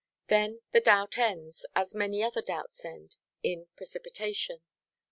Then the doubt ends—as many other doubts end—in precipitation.